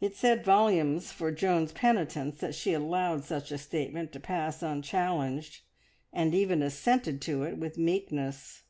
It said volumes for Joan's penitence that she allowed such a statement to pass unchallenged, and even assented to it with meekness.